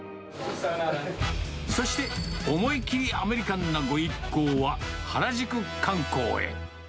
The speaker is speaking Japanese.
そして、思いきりアメリカンなご一行は、原宿観光へ。